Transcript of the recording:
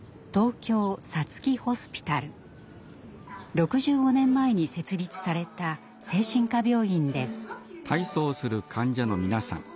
６５年前に設立された精神科病院です。